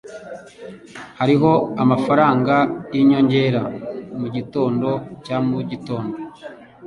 Hariho amafaranga yinyongera mugitondo cya mugitondo.